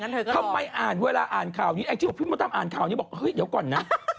ต้องไปอ่านเวลาอ่านข่าวนี้แอคที่พี่มธรรมอ่านข่าวนี้บอกเฮ้ยเดี๋ยวก่อนนะ